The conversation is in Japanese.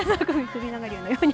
首長竜のように。